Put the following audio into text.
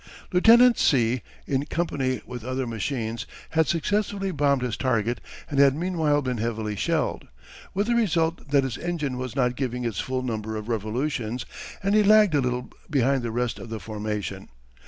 Lieutenant C., in company with other machines, had successfully bombed his target and had meanwhile been heavily shelled, with the result that his engine was not giving its full number of revolutions and he lagged a little behind the rest of the formation.